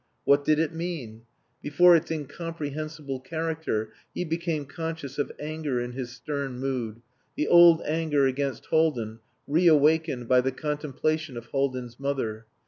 What did it mean? Before its incomprehensible character he became conscious of anger in his stern mood, the old anger against Haldin reawakened by the contemplation of Haldin's mother.